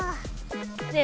ねえ